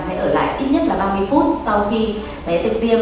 hãy ở lại ít nhất là ba mươi phút sau khi bé từng tiêm